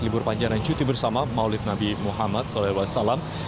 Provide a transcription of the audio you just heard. libur panjang dan cuti bersama maulid nabi muhammad saw